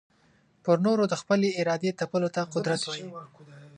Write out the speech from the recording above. پر نورو د خپلي ارادې تپلو ته قدرت وايې.